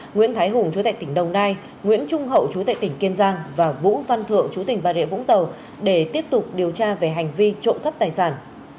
nguyễn thái hùng chú tệ tỉnh đồng nai nguyễn trung hậu chú tệ tỉnh kiên giang và vũ văn thượng chú tỉnh bà rịa vũng tàu để tiếp tục điều tra về hành vi trộm cắp tài sản